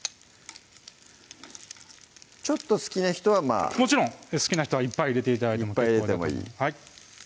ちょっと好きな人はまぁもちろん好きな人はいっぱい入れて頂いても結構です